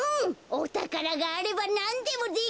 おたからがあればなんでもできる！